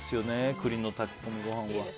栗の炊き込みご飯は。